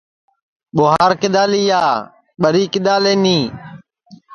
ٻُواہار کِدؔا لیا ٻری کِدؔا لینی